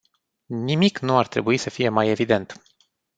Nimic nu ar trebui să fie mai evident.